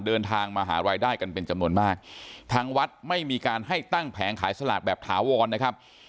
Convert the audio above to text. เดินทางมาหารายได้กันเป็นจำนวนมากทางวัดไม่มีการให้ตั้งแผงขายสลากแบบถาวรนะครับ